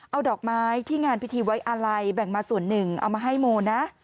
เอาดอกไม้ที่งานพิธีไว้อาลัยแบ่งมาส่วนหนึ่งเอามาให้โมนะ